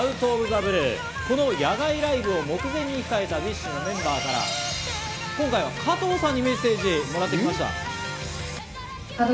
この野外ライブを目前に控えたＢｉＳＨのメンバーが、今回は加藤さんにメッセージをもらってきました。